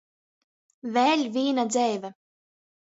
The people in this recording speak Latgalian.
Vēļ vīna dzeive.